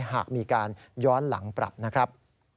หากมีการย้อนหลังปรับนะครับ